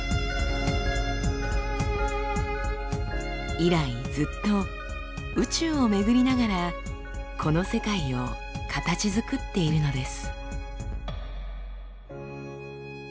以来ずっと宇宙を巡りながらこの世界を形づくっているのです。